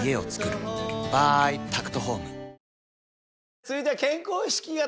続いては。